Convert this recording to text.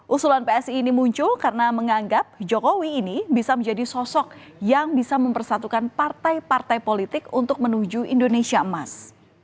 usulan psi ini muncul karena menganggap jokowi ini bisa menjadi sosok yang bisa mempersatukan partai partai politik untuk menuju indonesia emas